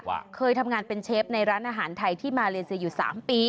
เคยทำงานเป็นเชฟในร้านอาหารไทยที่มาเลเซียอยู่๓ปี